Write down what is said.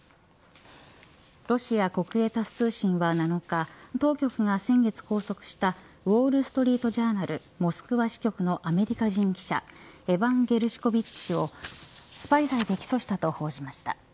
ロシア国営タス通信は７日当局が先月、拘束したウォール・ストリート・ジャーナルモスクワ支局のアメリカ人記者エバン・ゲルシコビッチ氏をスパイ罪で起訴したと報じました。